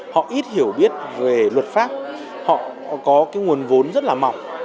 họ ít hiểu biết về luật pháp họ có cái nguồn vốn rất là mỏng